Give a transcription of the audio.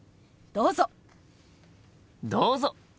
どうぞ！